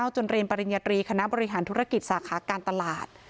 จนเรียนปริญญาตรีคณะบริหารธุรกิจสาขาการตลาด